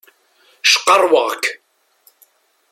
Cqerrweɣ-k!